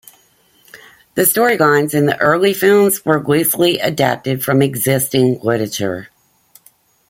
The storylines in the early films were loosely adapted from existing literature.